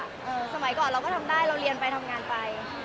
สมัยก่อนเราก็ทำได้เราเรียนไปทำงานไป